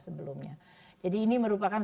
sebelumnya jadi ini merupakan